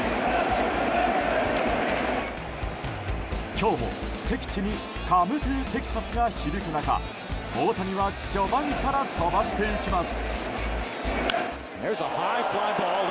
今日も敵地にカムトゥテキサスが響く中大谷は序盤から飛ばしていきます。